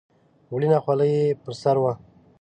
وړینه خولۍ یې پر سر وه.